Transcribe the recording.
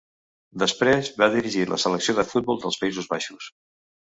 Després, va dirigir la Selecció de futbol dels Països Baixos.